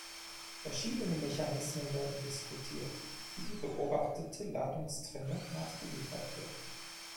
Verschiedene Mechanismen werden diskutiert, wie die beobachtete Ladungstrennung nachgeliefert wird.